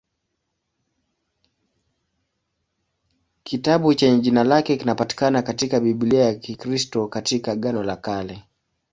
Kitabu chenye jina lake kinapatikana katika Biblia ya Kikristo katika Agano la Kale.